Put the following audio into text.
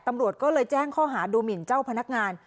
ตำรวจก็เลยแจ้งข้อหาดูหมินเจ้าพนักงาน